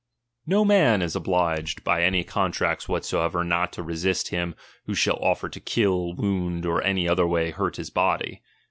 No man is obliged by any contracts wbatso chap, n ever not to resist him who shall offer to Ifill, wound, '; or any other way hurt his body.